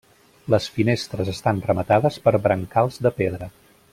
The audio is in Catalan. Les finestres estan rematades per brancals de pedra.